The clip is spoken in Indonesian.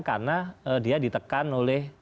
karena dia ditekan oleh